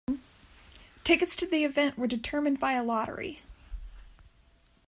Tickets to the event were determined by a lottery.